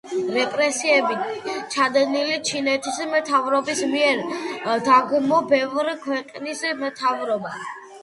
რეპრესიები ჩადენილი ჩინეთის მთავრობის მიერ, დაგმო ბევრი ქვეყნის მთავრობამ.